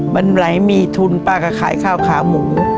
มันไหลมีทุนป้าก็ขายข้าวขาหมู